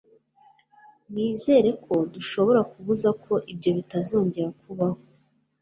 Nizere ko dushobora kubuza ko ibyo bitazongera kubaho.